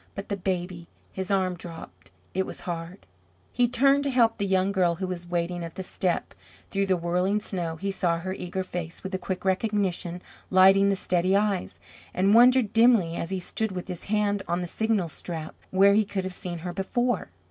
But the baby his arm dropped. It was hard. He turned to help the young girl who was waiting at the step. Through the whirling snow he saw her eager face, with a quick recognition lighting the steady eyes, and wondered dimly, as he stood with his hand on the signal strap, where he could have seen her before.